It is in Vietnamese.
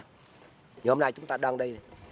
nhưng hôm nay chúng ta đang đây